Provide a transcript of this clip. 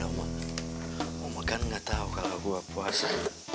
aman kagak mau makan gak tau kalau gue puasa